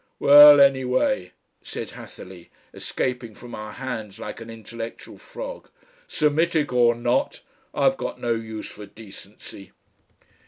"Well, anyway," said Hatherleigh, escaping from our hands like an intellectual frog, "Semitic or not, I've got no use for decency."